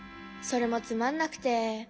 それもつまんなくて。